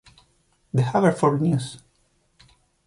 The Haverford News.